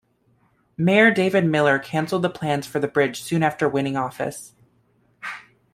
Mayor David Miller canceled the plans for the bridge soon after winning office.